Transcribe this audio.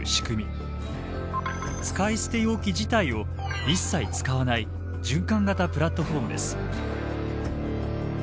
使い捨て容器自体を一切使わない循環型プラットフォームです。